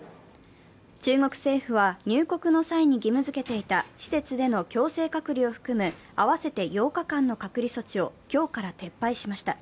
中国政府は入国の際に義務づけていた施設での強制隔離を含む合わせて８日間の隔離措置を今日から撤廃しました。